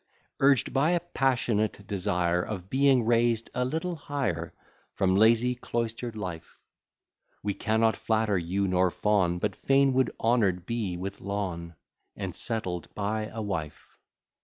Urged by a passionate desire Of being raised a little higher, From lazy cloister'd life; We cannot flatter you nor fawn, But fain would honour'd be with lawn, And settled by a wife.